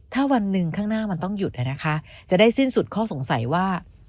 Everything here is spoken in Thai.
ถ้าวันหนึ่งข้างหน้ามันต้องหยุดนะคะจะได้สิ้นสุดข้อสงสัยว่า